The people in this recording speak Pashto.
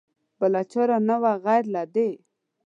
بله چاره نه وه غیر له دې.